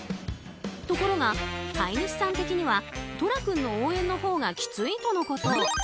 ところが、飼い主さん的にはとら君の応援のほうがきついとのこと。